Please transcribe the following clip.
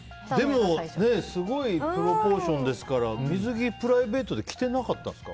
でもすごいプロポーションですから水着をプライベートで着てなかったんですか？